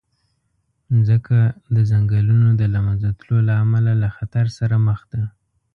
مځکه د ځنګلونو د له منځه تلو له امله له خطر سره مخ ده.